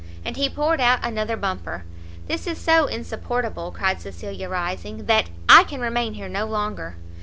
And he poured out another bumper. "This is so insupportable!" cried Cecilia, rising, "[that] I can remain here no longer."